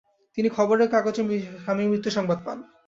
তিনি খবরের কাগজে স্বামীর মৃত্যুসংবাদ পান।